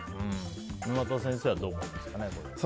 沼田先生はどう思いますか？